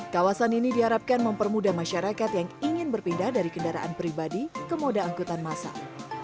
kawasan ini diharapkan mempermudah masyarakat yang ingin berpindah dari kendaraan pribadi ke moda angkutan masal